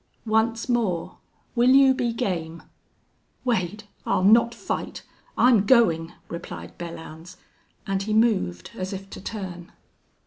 Once more, will you be game?" "Wade, I'll not fight I'm going " replied Belllounds, and he moved as if to turn.